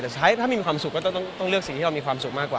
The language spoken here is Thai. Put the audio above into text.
แต่ใช้ถ้ามีความสุขก็ต้องเลือกสิ่งที่เรามีความสุขมากกว่า